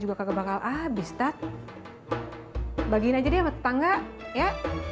juga kagak bakal abis tak bagiin aja deh tetangga ya